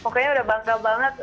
jadi udah bangga banget